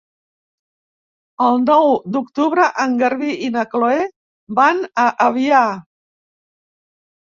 El nou d'octubre en Garbí i na Chloé van a Avià.